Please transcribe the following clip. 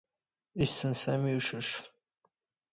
ⵉⵙⵙⵏ ⵙⴰⵎⵉ ⵉ ⵓⵛⵓⵛⴼ.